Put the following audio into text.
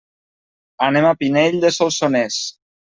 Anem a Pinell de Solsonès.